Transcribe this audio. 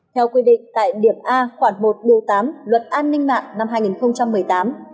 theo quy định tại điểm a khoảng một điều tám luật an ninh mạng năm hai nghìn một mươi tám